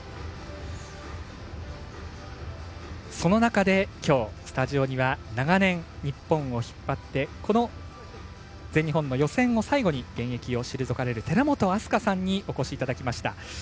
その中で、きょうスタジオには長年、日本を引っ張ってこの全日本の予選を最後に現役を退かれる寺本明日香さんにお越しいただきました。